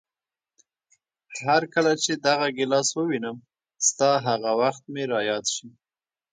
هرکله چې دغه ګیلاس ووینم، ستا هغه وخت مې را یاد شي.